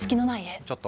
ちょっと！